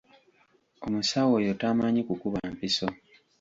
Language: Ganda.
Omusawo oyo tamanyi kukuba mpiso.